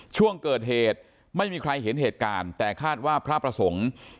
ช่วงเกิดเหตุไม่มีใครเห็นเหตุการณ์แต่คาดว่าพระประสงค์